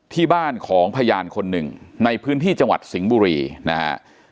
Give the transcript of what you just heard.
ที่บ้านของพยานคนหนึ่งในพื้นที่จังหวัดสิงห์บุรีนะฮะ